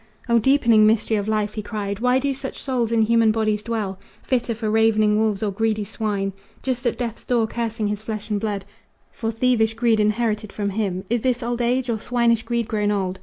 "O deepening mystery of life!" he cried, "Why do such souls in human bodies dwell Fitter for ravening wolves or greedy swine! Just at death's door cursing his flesh and blood For thievish greed inherited from him. Is this old age, or swinish greed grown old?